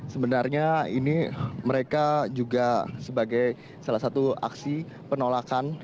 sebenarnya ini mereka juga sebagai salah satu aksi penolakan